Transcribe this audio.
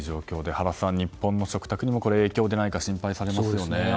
原さん日本の食卓にも影響がないか心配されますよね。